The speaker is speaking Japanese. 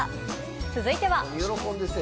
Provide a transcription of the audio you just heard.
続いては。